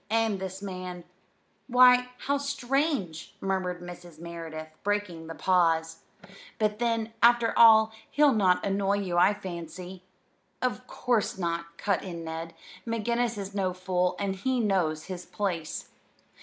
And this man "Why, how strange!" murmured Mrs. Merideth, breaking the pause. "But then, after all, he'll not annoy you, I fancy." "Of course not," cut in Ned. "McGinnis is no fool, and he knows his place."